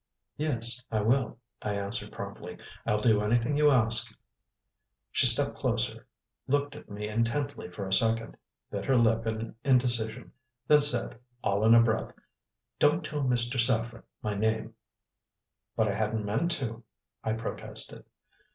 "Yes, I will," I answered promptly. "I'll do anything you ask." She stepped closer, looked at me intently for a second, bit her lip in indecision, then said, all in a breath: "Don't tell Mr. Saffren my name!" "But I hadn't meant to," I protested.